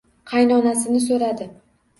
Qaynonasini so`radi